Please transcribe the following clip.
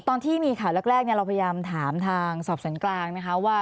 ตอนที่มีค่ะแรกเนี่ยเราพยายามถามทางสอบสรรค์กลางนะคะว่า